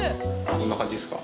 こんな感じっすか？